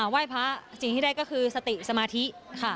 ว่ายพระชีวิตที่ได้ก็คือสถิตสมาธิค่ะ